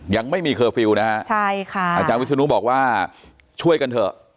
ยังไม่มีเคอร์ฟิลล์นะฮะใช่ค่ะอาจารย์วิศนุบอกว่าช่วยกันเถอะ